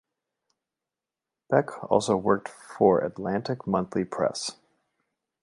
Beck also worked for Atlantic Monthly press.